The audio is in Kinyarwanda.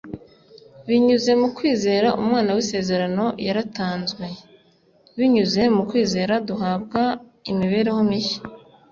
Binyuze mu kwizera umwana w’isezerano yaratanzwe. Binyuze mu kwizera duhabwa imibereho mishya